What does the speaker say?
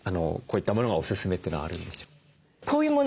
こういったものがおすすめというのはあるんでしょうか？